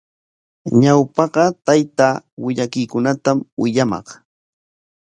Ñawpaqa taytaa willakuykunatami willamaq.